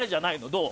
どう。